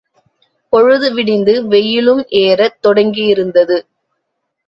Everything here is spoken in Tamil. பொழுதுவிடிந்து வெயிலும் ஏறத் தொடங்கியிருந்தது.